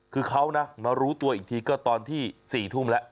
คือเขานะมารู้ตัวอีกทีก็ตอนที่๔ทุ่มแล้ว